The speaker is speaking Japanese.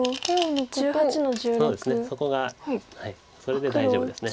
そこがそれで大丈夫です。